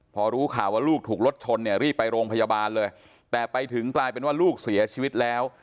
พอรู้ข่าวว่าลูกถูกรถชนเนี่ยรีบไปโรงพยาบาลเลยแต่ไปถึงกลายเป็นว่าลูกเสียชีวิตแล้ว